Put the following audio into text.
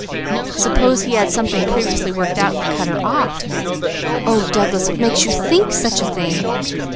"Suppose he had something previously worked out that cut her off!" "Oh Douglas! What makes you think such a thing?"